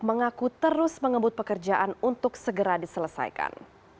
mengaku terus mengebut pekerjaan untuk segera diselesaikan